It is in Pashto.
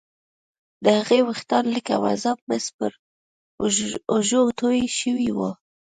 د هغې ويښتان لکه مذاب مس پر اوږو توې شوي وو